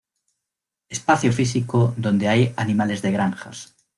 Espacio físico donde hay animales de granjas